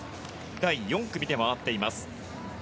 第４組で回っています。